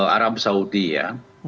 arab saudi ya